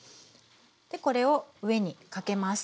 これを上にかけます。